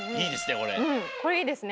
これいいですね。